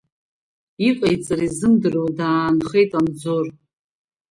Иҟаиҵара изымдыруа даанхеит Анзор.